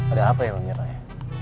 ada apa ya pak mirna ya